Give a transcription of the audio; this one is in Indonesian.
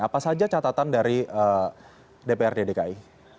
apa saja catatan dari dpr di dki